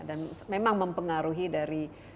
dan memang mempengaruhi dari